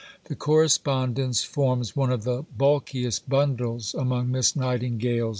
The correspondence forms one of the bulkiest bundles among Miss Nightingale's Papers.